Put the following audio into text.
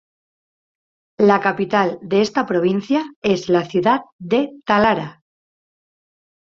La Capital de esta provincia es la ciudad de Talara.